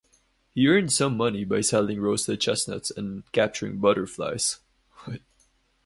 He earned some money by selling roasted chestnuts and capturing butterflies.